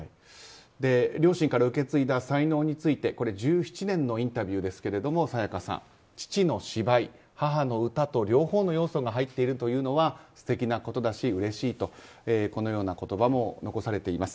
両親から受け継いだ才能について１７年のインタビューですが沙也加さん、父の芝居、母の歌と両方の要素が入っているのは素敵なことだし、うれしいとこのような言葉も残されています。